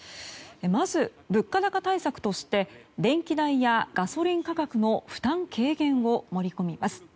まず物価高対策として電気代やガソリン価格の負担軽減を盛り込みます。